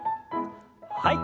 はい。